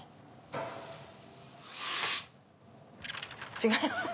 違います？